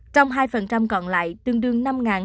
trong hai còn lại tương đương năm hai trăm năm mươi bảy